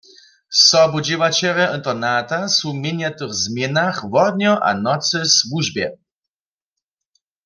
Sobudźěłaćerjo internata su w měnjatych změnach wodnjo a w nocy w słužbje.